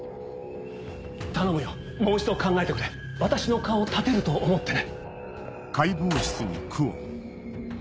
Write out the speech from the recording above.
頼むよもう一度考えてくれ私の顔を立てると思ってね。